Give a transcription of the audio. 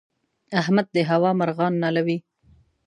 احمد د هوا مرغان نالوي.